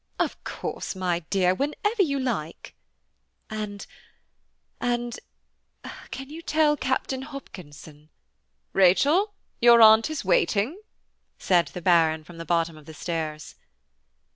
"Of course, my dear, whenever you like." "And–and–can you tell Captain Hopkinson–" "Rachel, your aunt is waiting," said the Baron, from the bottom of the stairs.